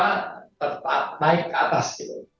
karena emas itu tetap naik ke atas